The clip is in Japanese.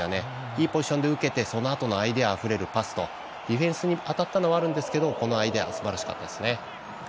いいポジションで受けてそのあとのアイデアあふれるパスとディフェンスに当たったのはあるんですけどこのアイデアすばらしかったですね。